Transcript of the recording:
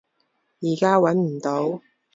依家揾唔到